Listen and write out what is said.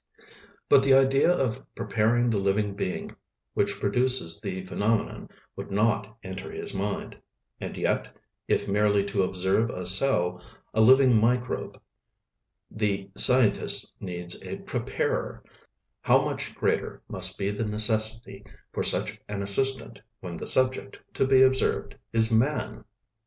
But the idea of preparing the living being which produces the phenomenon would not enter his mind; and yet, if merely to observe a cell, a living microbe, the scientist needs a "preparer," how much greater must be the necessity for such an assistant when the subject to be observed is man!